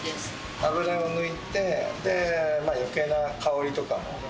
脂を抜いて余計な香りとかも。